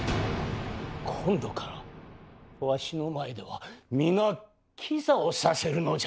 今度からわしの前では皆跪座をさせるのじゃ！